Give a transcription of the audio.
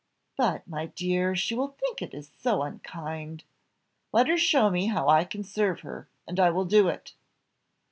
"But, my dear, she will think it so unkind." "Let her show me how I can serve her, and I will do it."